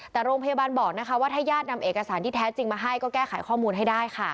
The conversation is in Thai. แต่โรงพยาบาลบอกนะคะว่าถ้าญาตินำเอกสารที่แท้จริงมาให้ก็แก้ไขข้อมูลให้ได้ค่ะ